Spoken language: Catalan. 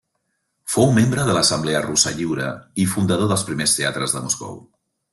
Fou membre de l'Assemblea russa lliure i fundador dels primers teatres de Moscou.